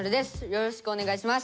よろしくお願いします。